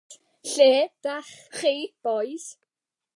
Lle 'dach chi bois?